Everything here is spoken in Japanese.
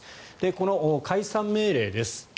この解散命令です。